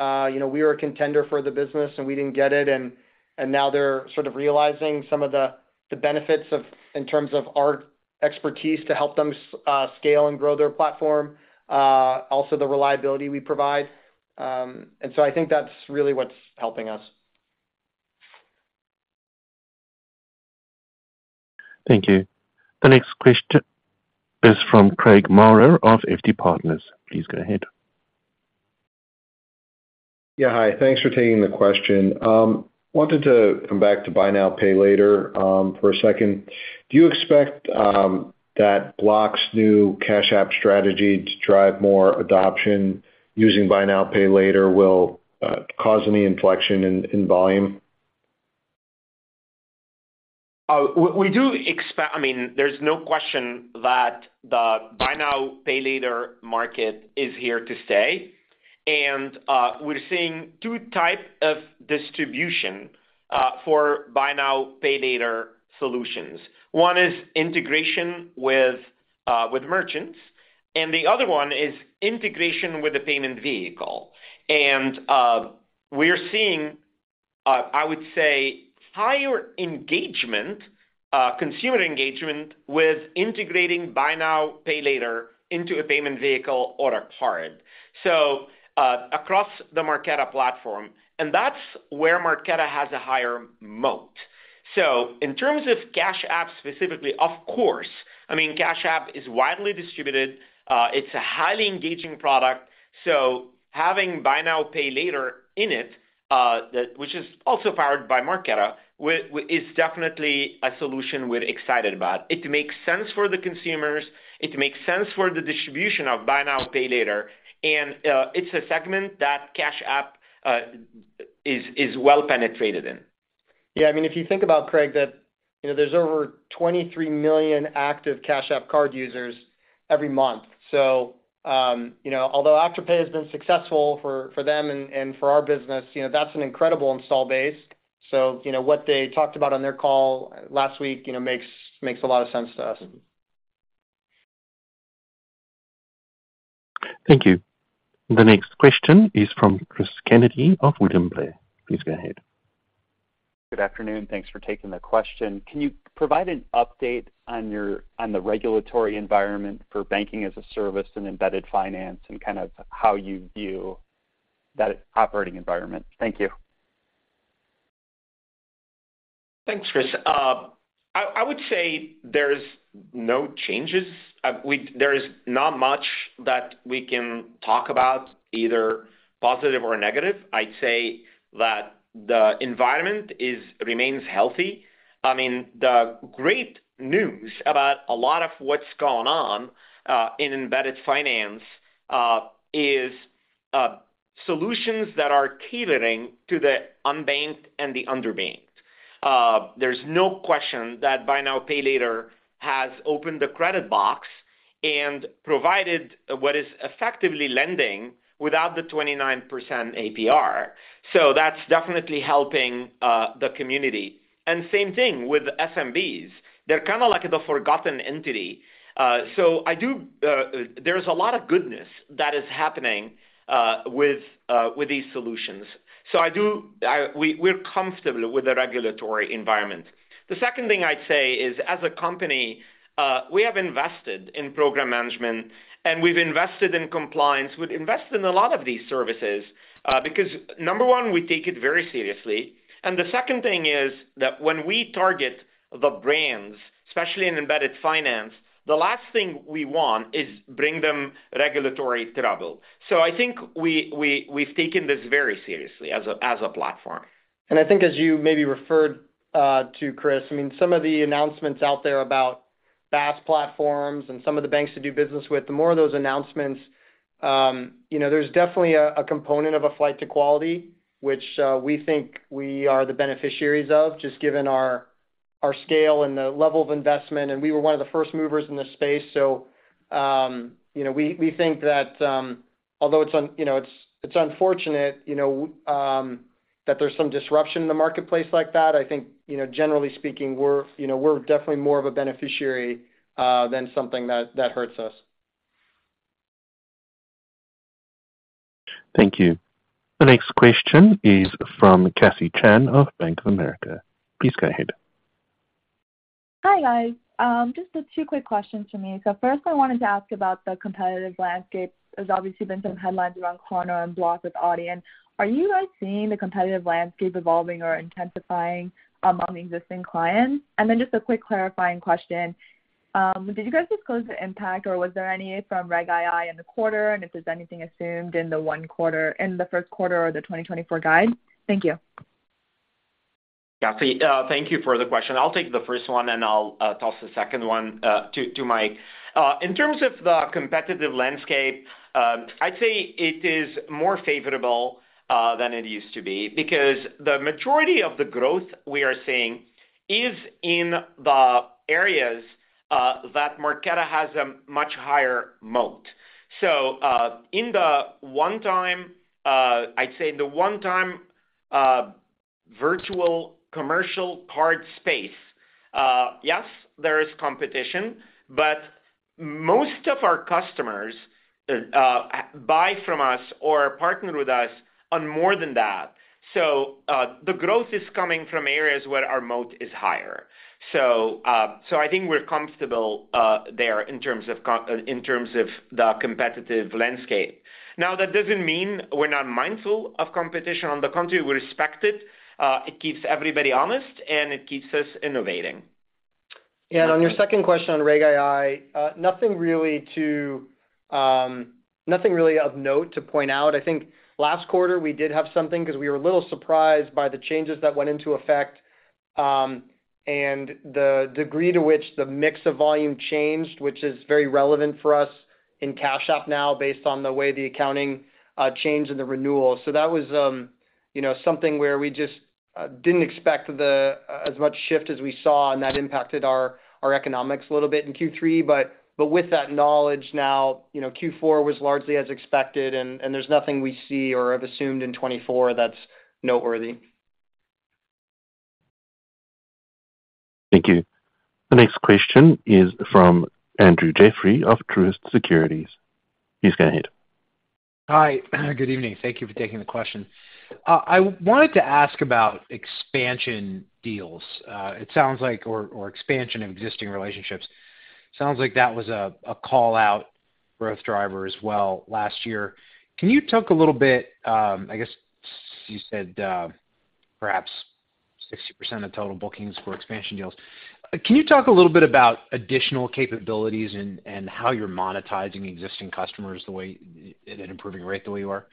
were a contender for the business and we didn't get it. And now they're sort of realizing some of the benefits in terms of our expertise to help them scale and grow their platform, also the reliability we provide. And so I think that's really what's helping us. Thank you. The next question is from Craig Maurer of FT Partners. Please go ahead. Yeah, hi. Thanks for taking the question. Wanted to come back to Buy Now, Pay Later for a second. Do you expect that Block's new Cash App strategy to drive more adoption using Buy Now, Pay Later will cause any inflection in volume? We do expect. I mean, there's no question that the Buy Now, Pay Later market is here to stay. We're seeing two types of distribution for Buy Now, Pay Later solutions. One is integration with merchants. The other one is integration with a payment vehicle. We're seeing, I would say, higher engagement, consumer engagement with integrating Buy Now, Pay Later into a payment vehicle or a card across the Marqeta platform. That's where Marqeta has a higher moat. So in terms of Cash App specifically, of course, I mean, Cash App is widely distributed. It's a highly engaging product. So having Buy Now, Pay Later in it, which is also powered by Marqeta, is definitely a solution we're excited about. It makes sense for the consumers. It makes sense for the distribution of Buy Now, Pay Later. It's a segment that Cash App is well penetrated in. Yeah, I mean, if you think about, Craig, that there's over 23 million active Cash App Card users every month. So although Afterpay has been successful for them and for our business, that's an incredible installed base. So what they talked about on their call last week makes a lot of sense to us. Thank you. The next question is from Chris Kennedy of William Blair. Please go ahead. Good afternoon. Thanks for taking the question. Can you provide an update on the regulatory environment for Banking as a Service and Embedded Finance and kind of how you view that operating environment? Thank you. Thanks, Chris. I would say there's no changes. There is not much that we can talk about, either positive or negative. I'd say that the environment remains healthy. I mean, the great news about a lot of what's going on in embedded finance is solutions that are catering to the unbanked and the underbanked. There's no question that Buy Now, Pay Later has opened the credit box and provided what is effectively lending without the 29% APR. So that's definitely helping the community. And same thing with SMBs. They're kind of like the forgotten entity. So there's a lot of goodness that is happening with these solutions. So we're comfortable with the regulatory environment. The second thing I'd say is, as a company, we have invested in program management, and we've invested in compliance. We've invested in a lot of these services because, number one, we take it very seriously. The second thing is that when we target the brands, especially in embedded finance, the last thing we want is bring them regulatory trouble. So I think we've taken this very seriously as a platform. And I think, as you maybe referred to, Chris, I mean, some of the announcements out there about BaaS platforms and some of the banks to do business with, the more of those announcements, there's definitely a component of a flight to quality, which we think we are the beneficiaries of just given our scale and the level of investment. And we were one of the first movers in this space. So we think that although it's unfortunate that there's some disruption in the marketplace like that, I think, generally speaking, we're definitely more of a beneficiary than something that hurts us. Thank you. The next question is from Cassie Chan of Bank of America. Please go ahead. Hi, guys. Just the two quick questions for me. First, I wanted to ask about the competitive landscape. There's obviously been some headlines around Klarna and Block with Affirm. And are you guys seeing the competitive landscape evolving or intensifying among existing clients? And then just a quick clarifying question. Did you guys disclose the impact, or was there any from Reg II in the quarter? And if there's anything assumed in the first quarter or the 2024 guide? Thank you. Yeah, thank you for the question. I'll take the first one, and I'll toss the second one to Mike. In terms of the competitive landscape, I'd say it is more favorable than it used to be because the majority of the growth we are seeing is in the areas that Marqeta has a much higher moat. So in the one-time virtual commercial card space, yes, there is competition, but most of our customers buy from us or partner with us on more than that. So the growth is coming from areas where our moat is higher. So I think we're comfortable there in terms of the competitive landscape. Now, that doesn't mean we're not mindful of competition on the contrary. We respect it. It keeps everybody honest, and it keeps us innovating. Yeah, and on your second question on Reg. II, nothing really of note to point out. I think last quarter, we did have something because we were a little surprised by the changes that went into effect and the degree to which the mix of volume changed, which is very relevant for us in Cash App now based on the way the accounting changed and the renewal. So that was something where we just didn't expect as much shift as we saw, and that impacted our economics a little bit in Q3. But with that knowledge now, Q4 was largely as expected, and there's nothing we see or have assumed in 2024 that's noteworthy. Thank you. The next question is from Andrew Jeffrey of Truist Securities. Please go ahead. Hi. Good evening. Thank you for taking the question. I wanted to ask about expansion deals, or expansion of existing relationships. Sounds like that was a callout growth driver as well last year. Can you talk a little bit? I guess you said perhaps 60% of total bookings were expansion deals. Can you talk a little bit about additional capabilities and how you're monetizing existing customers and improving rate the way you are?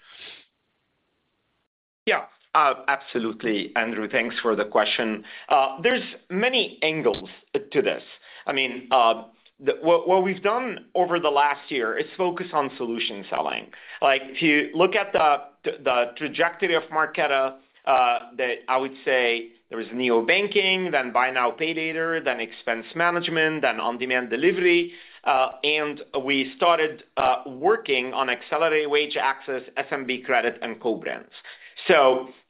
Yeah, absolutely, Andrew. Thanks for the question. There's many angles to this. I mean, what we've done over the last year is focus on solution selling. If you look at the trajectory of Marqeta, I would say there was neobanking, then Buy Now, Pay Later, then expense management, then on-demand delivery. And we started working on accelerated wage access, SMB credit, and co-brands.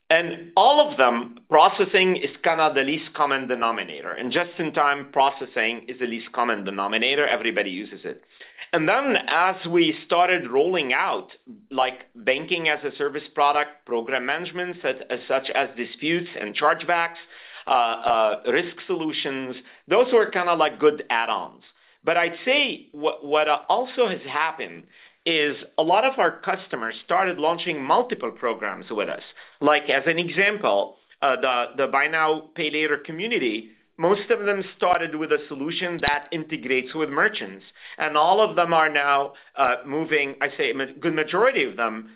And all of them, processing is kind of the least common denominator. And just-in-time processing is the least common denominator. Everybody uses it. And then as we started rolling out Banking as a Service product, program management such as disputes and chargebacks, risk solutions, those were kind of good add-ons. But I'd say what also has happened is a lot of our customers started launching multiple programs with us. As an example, the Buy Now, Pay Later community, most of them started with a solution that integrates with merchants. All of them are now moving, I'd say a good majority of them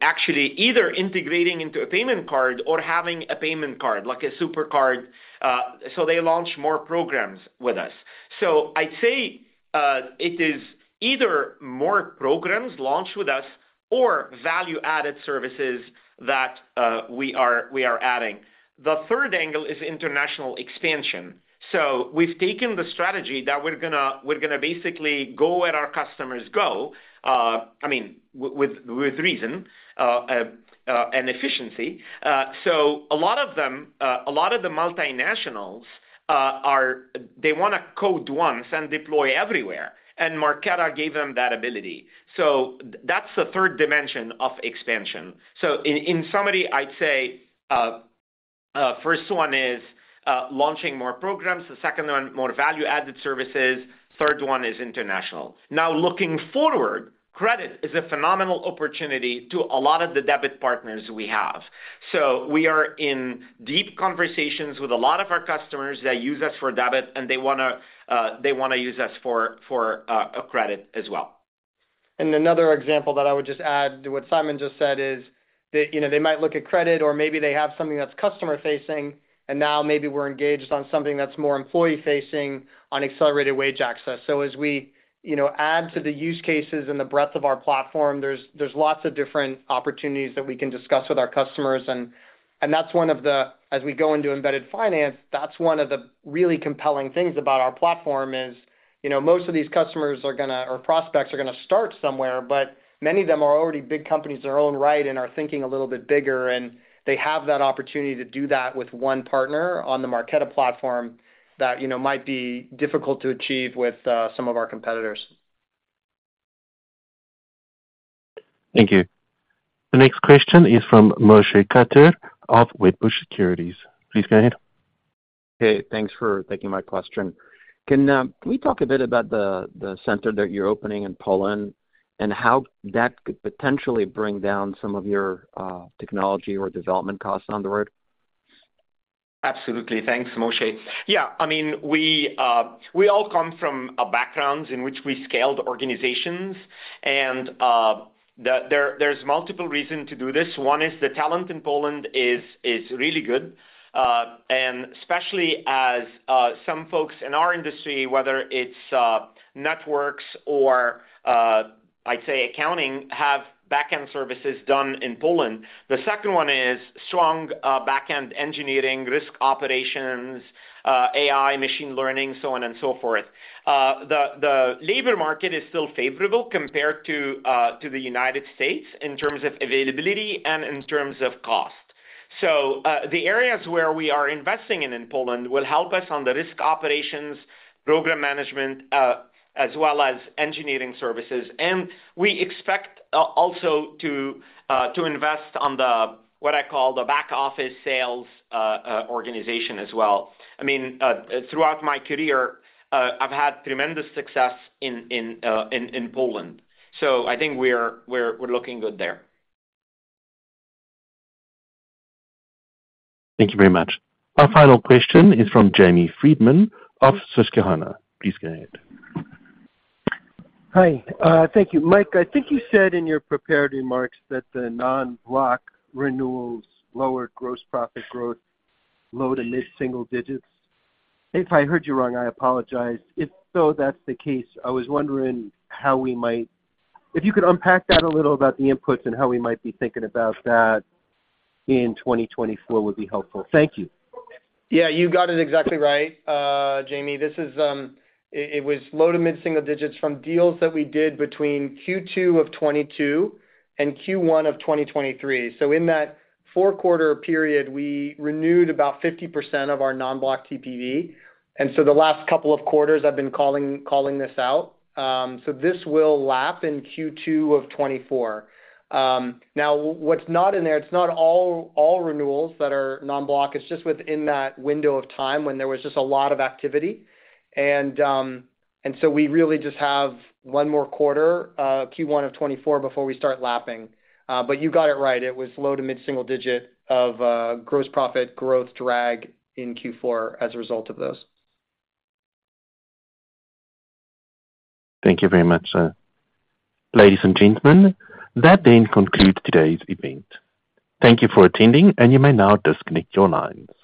actually either integrating into a payment card or having a payment card, like a supercard. They launch more programs with us. I'd say it is either more programs launched with us or value-added services that we are adding. The third angle is international expansion. We've taken the strategy that we're going to basically go where our customers go, I mean, with reason and efficiency. A lot of them, a lot of the multinationals, they want to code once and deploy everywhere. Marqeta gave them that ability. That's the third dimension of expansion. In summary, I'd say the first one is launching more programs. The second one, more value-added services. The third one is international. Now, looking forward, credit is a phenomenal opportunity to a lot of the debit partners we have. So we are in deep conversations with a lot of our customers that use us for debit, and they want to use us for credit as well. Another example that I would just add to what Simon just said is that they might look at credit, or maybe they have something that's customer-facing, and now maybe we're engaged on something that's more employee-facing on accelerated wage access. As we add to the use cases and the breadth of our platform, there's lots of different opportunities that we can discuss with our customers. That's one of the, as we go into embedded finance, that's one of the really compelling things about our platform is most of these customers are going to or prospects are going to start somewhere, but many of them are already big companies in their own right and are thinking a little bit bigger. They have that opportunity to do that with one partner on the Marqeta platform that might be difficult to achieve with some of our competitors. Thank you. The next question is from Moshe Katri of Wedbush Securities. Please go ahead. Okay. Thanks for taking my question. Can we talk a bit about the center that you're opening in Poland and how that could potentially bring down some of your technology or development costs on the road? Absolutely. Thanks, Moshe. Yeah, I mean, we all come from backgrounds in which we scaled organizations. There's multiple reasons to do this. One is the talent in Poland is really good, and especially as some folks in our industry, whether it's networks or, I'd say, accounting, have backend services done in Poland. The second one is strong backend engineering, risk operations, AI, machine learning, so on and so forth. The labor market is still favorable compared to the United States in terms of availability and in terms of cost. So the areas where we are investing in Poland will help us on the risk operations, program management, as well as engineering services. We expect also to invest on what I call the back office sales organization as well. I mean, throughout my career, I've had tremendous success in Poland. So I think we're looking good there. Thank you very much. Our final question is from Jamie Friedman of Susquehanna. Please go ahead. Hi. Thank you, Mike. I think you said in your prepared remarks that the non-Block renewals lowered gross profit growth low to mid-single digits. If I heard you wrong, I apologize. If so, that's the case. I was wondering how we might if you could unpack that a little about the inputs and how we might be thinking about that in 2024 would be helpful. Thank you. Yeah, you got it exactly right, Jamie. It was low to mid-single digits from deals that we did between Q2 of 2022 and Q1 of 2023. So in that four-quarter period, we renewed about 50% of our non-Block TPV. And so the last couple of quarters, I've been calling this out. So this will lap in Q2 of 2024. Now, what's not in there, it's not all renewals that are non-Block. It's just within that window of time when there was just a lot of activity. And so we really just have one more quarter, Q1 of 2024, before we start lapping. But you got it right. It was low to mid-single digit of gross profit growth drag in Q4 as a result of those. Thank you very much, ladies and gentlemen. That then concludes today's event. Thank you for attending, and you may now disconnect your lines.